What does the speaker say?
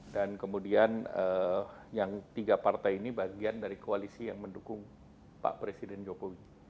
dan kemudian yang tiga partai ini bagian dari koalisi yang mendukung pak presiden jokowi